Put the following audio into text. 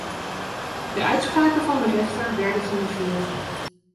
De uitspraken van de rechter werden genegeerd.